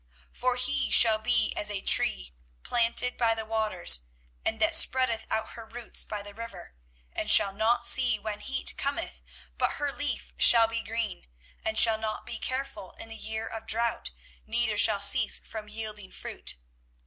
24:017:008 For he shall be as a tree planted by the waters, and that spreadeth out her roots by the river, and shall not see when heat cometh, but her leaf shall be green; and shall not be careful in the year of drought, neither shall cease from yielding fruit.